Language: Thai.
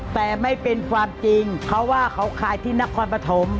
แต่ไม่เป็นความจริงเขาว่าเขาขายที่นครปฐม